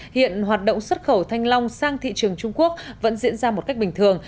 hiện hoạt động xuất khẩu thanh long sang thị trường trung quốc vẫn diễn ra một cách bình thường